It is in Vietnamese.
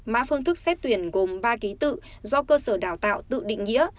mã phương thức xét tuyển gồm ba ký tự do cơ sở đào tạo tự định nghĩa